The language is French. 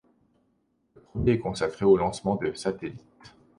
Le premier est consacré au lancement de satellites.